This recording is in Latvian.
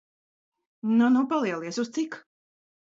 Nu nu, palielies, uz cik?